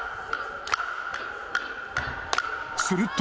すると。